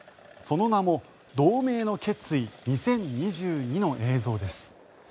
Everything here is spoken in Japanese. その名も同盟の決意２０２２の映像です。